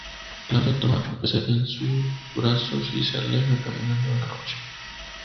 Claudia toma la pecera en sus brazos y se aleja caminando en la noche.